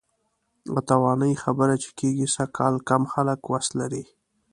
د توانایي خبره چې کېږي، سږکال کم خلک وس لري.